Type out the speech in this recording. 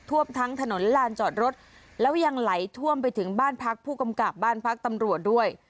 วบทั้งถนนลานจอดรถแล้วยังไหลท่วมไปถึงบ้านพักผู้กำกับบ้านพักตำรวจด้วย